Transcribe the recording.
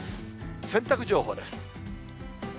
洗濯情報です。